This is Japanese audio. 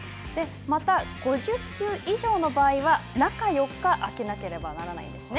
また、５０球以上の場合は、中４日あけなければならないんですね。